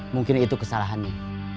mungkin itu kesalahannya